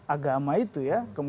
agama itu ya